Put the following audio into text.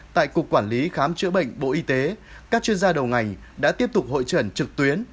tại cục quản lý khám chữa bệnh bộ y tế các chuyên gia đầu ngành đã tiếp tục hội trần trực tuyến